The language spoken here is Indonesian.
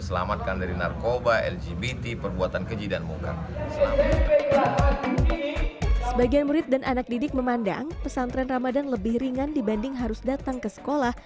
sebagian murid dan anak didik memandang pesantren ramadan lebih ringan dibanding harus datang ke sekolah